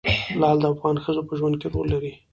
لعل د افغان ښځو په ژوند کې رول لري.